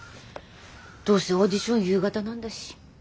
どうせオーディション夕方なんだし。